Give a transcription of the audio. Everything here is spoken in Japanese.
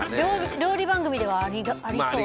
料理番組ではありそう。